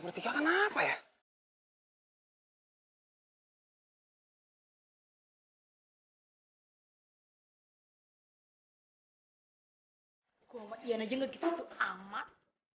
gue sama ian aja gak gitu tuh amat